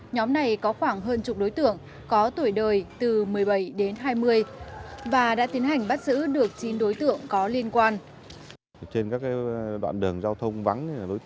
nhóm này có khoảng hơn chục đối tượng có tuổi đời từ một mươi bảy đến hai mươi và đã tiến hành bắt giữ được chín đối tượng có liên quan